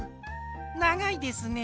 ながいですね。